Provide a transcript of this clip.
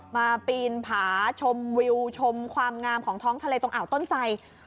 ปีนผาชมวิวชมความงามของท้องทะเลตรงอ่าวต้นไส